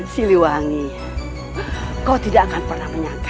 siliwangi kau tidak akan pernah menyangka